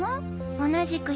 同じくよ。